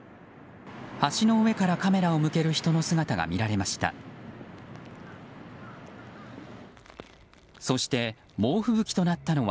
橋の上からカメラを向ける人の姿が見られました。